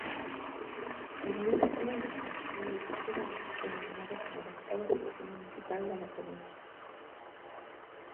Administrativamente, el municipio es denominado como la "octava sección municipal" de la provincia.